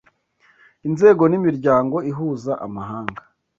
inzego n’imiryango ihuza amahanga